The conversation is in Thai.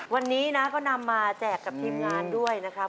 วันนี้นะก็นำมาแจกกับทีมงานด้วยนะครับ